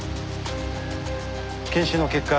検視の結果